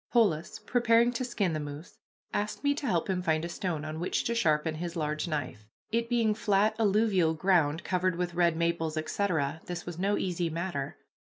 Polis, preparing to skin the moose, asked me to help him find a stone on which to sharpen his large knife. It being flat alluvial ground, covered with red maples, etc., this was no easy matter.